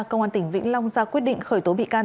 công an tỉnh vĩnh long ra quyết định khởi tố bị can